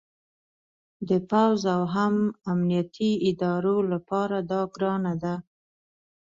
د پوځ او هم امنیتي ادارو لپاره دا ګرانه ده